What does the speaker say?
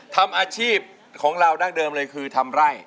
ทำอาชีพของเราดั้งเดิมเลยคือทำไร่